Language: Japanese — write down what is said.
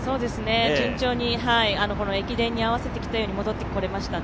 順調に駅伝に合わせて戻ってこれましたね。